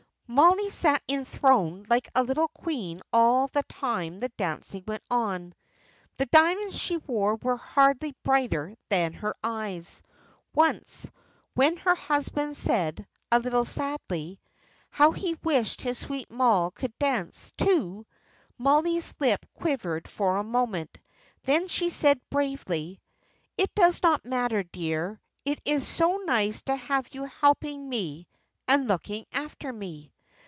Mollie sat enthroned like a little queen all the time the dancing went on. The diamonds she wore were hardly brighter than her eyes. Once, when her husband said, a little sadly, "How he wished his sweet Moll could dance, too!" Mollie's lip quivered for a moment; then she said bravely, "It does not matter, dear. It is so nice to have you helping me and looking after me."